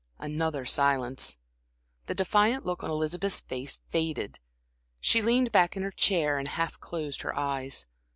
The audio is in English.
Another silence. The defiant look on Elizabeth's face faded; she leaned back in her chair and half closed her eyes.